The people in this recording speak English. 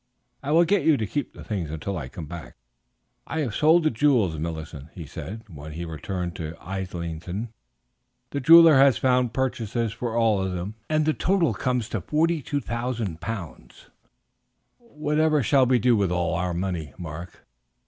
I will get you to keep the things until I come back." "I have sold the jewels, Millicent," he said, when he returned to Islington; "the jeweler has found purchasers for them all, and the total comes to 42,000 pounds." "Whatever shall we do with all our money, Mark?"